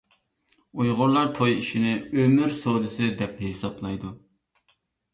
ئۇيغۇرلار توي ئىشىنى «ئۆمۈر سودىسى» دەپ ھېسابلايدۇ.